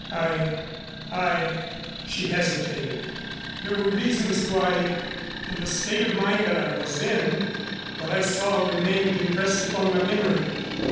I I " she hesitated. "There were reasons why, in the state of mind that I was in, what I saw remained impressed upon my memory."